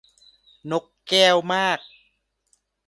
นกแก้วมาก